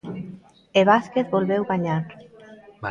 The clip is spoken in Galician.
E Vázquez volveu gañar.